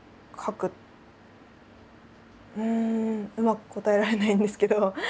うんうまく答えられないんですけど。